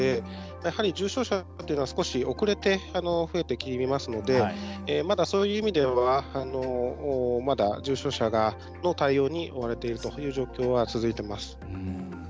やはり重症者というのは少し遅れて増えてきますのでまだそういう意味では重症者の対応に追われているという状況が続いています。